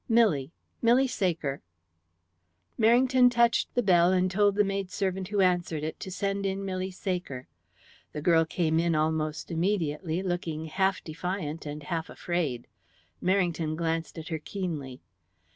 "Milly Milly Saker." Merrington touched the bell, and told the maidservant who answered it to send in Milly Saker. The girl came in almost immediately, looking half defiant and half afraid. Merrington glanced at her keenly.